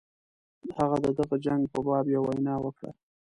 هغه د دغه جنګ په باب یوه وینا وکړه.